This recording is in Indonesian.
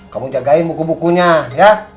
kamu jagain buku bukunya ya